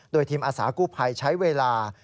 โดยทีมอาสากู้ภัยใช้เวลา